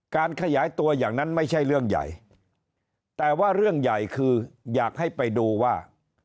การขยายตัวอย่างนั้นไม่ใช่เรื่องใหญ่แต่ว่าเรื่องใหญ่คืออยากให้ไปดูว่า